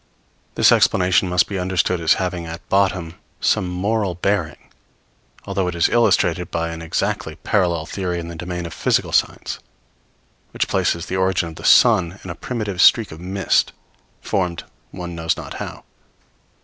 This explanation must be understood as having at bottom some moral bearing; although it is illustrated by an exactly parallel theory in the domain of physical science, which places the origin of the sun in a primitive streak of mist, formed one knows not how.